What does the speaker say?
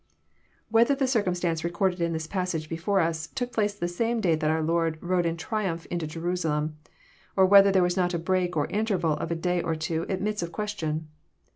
Whether the circumstance recorded in the passage before us took place the same day that our Lord rode in triumph into Jeru salem, or whether there was not a break or interval of a day or two, admits of question.